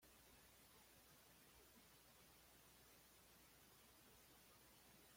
Este palacio alberga la Galeria Doria-Pamphili.